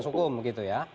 proses hukum gitu ya